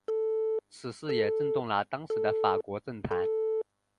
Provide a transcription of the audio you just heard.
此事也震动了当时的法国政坛。